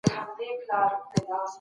که هدف و ټاکل سي نو هڅه نه ضایع کېږي.